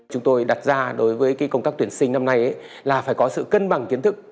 chúng tôi đặt ra đối với công tác tuyển sinh năm nay là phải có sự cân bằng kiến thức